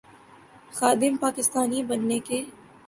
خادم پاکستان بننے کے۔